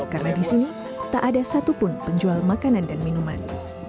karena di sini tak ada satupun penjual makanan dan minuman